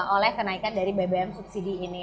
oleh kenaikan dari bbm subsidi ini